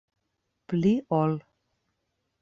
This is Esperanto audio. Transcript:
Pli ol.